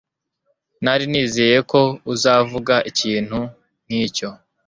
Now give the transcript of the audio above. Nari nizeye ko uzavuga ikintu nkicyo.